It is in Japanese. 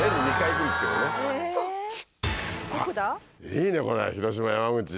いいねこれ広島山口。